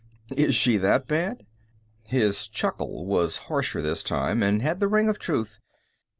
"Is she that bad?" His chuckle was harsher this time, and had the ring of truth.